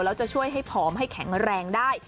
แล้วจะช่วยให้ผอมให้แข็งแรงได้